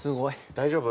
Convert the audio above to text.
大丈夫？